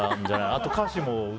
あと、歌詞も。